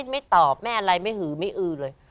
ไม่ตอบไม่อะไรไม่หือไม่อือเลย